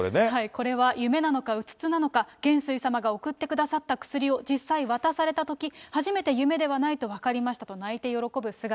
これは夢なのか、うつつなのか元帥様が送ってくださった薬を実際渡されたとき、初めて夢ではないと分かりましたと泣いて喜ぶ姿。